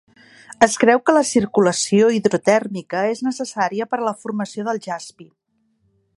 Es creu que la circulació hidrotèrmica és necessària per a la formació del jaspi.